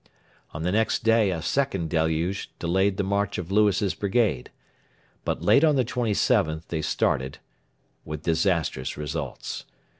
On the next day a second deluge delayed the march of Lewis's brigade. But late on the 27th they started, with disastrous results.